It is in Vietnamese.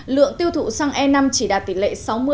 lượng tiêu thụ xăng e năm chỉ đạt tỷ lệ sáu mươi sáu mươi năm